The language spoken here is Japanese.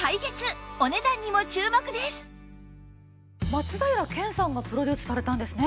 松平健さんがプロデュースされたんですね。